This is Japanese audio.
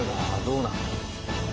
どうなん？